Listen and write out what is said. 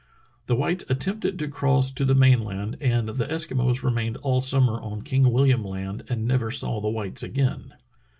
The whites attempted to cross to the main land, and the Eskimos remained all summer on King Wilham Land and never saw the whites again.